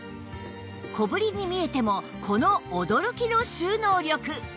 小ぶりに見えてもこの驚きの収納力